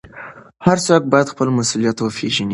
هر څوک باید خپل مسوولیت وپېژني.